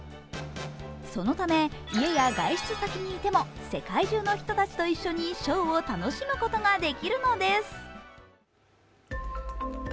そのため家や外出先にいても世界中の人たちと一緒にショーを楽しむことができるのです。